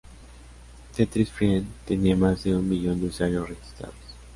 Tetris Friends tenia más de un millón de usuarios registrados.